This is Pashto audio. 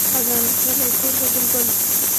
خزان لوټلی کور د بلبلو